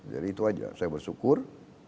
jadi itu aja saya bersyukur